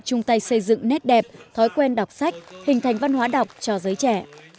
chung tay xây dựng nét đẹp thói quen đọc sách hình thành văn hóa đọc cho giới trẻ